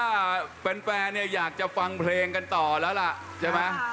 อ้าผมว่าแฟนอยากจะฟังเพลงกันต่อแล้วล่ะใช่ไหม